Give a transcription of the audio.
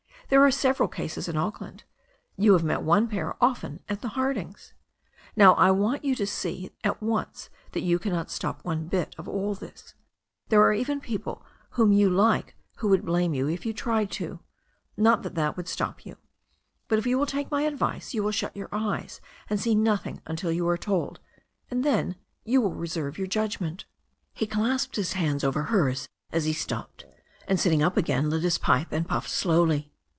There are sev eral cases in Auckland. You have met one pair often at the Hardings. Now I want you to see at once that you cannot stop one bit of all this. There are even people whom you like who would blame you if you tried to. Not that that would stop you. But if you will take my advice you will shut your eyes and see nothing until you ^re tpld, J^nd then you will reserve your judgment," 330 THE STORY OF A NEW ZEALAND RIVER He clasped his hands over hers as he stopped, and sitting up again, lit his pipe, and puffed slowly.